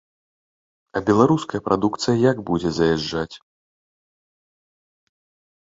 А беларуская прадукцыя як будзе заязджаць?